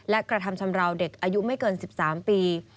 และกระทำชำราวเด็กอายุไม่เกิน๑๓ปี